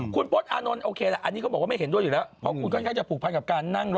คุณโป๊ะอานนท์โอเคแต่อันนี้เขาบอกว่าไม่เห็นด้วยอยู่แล้ว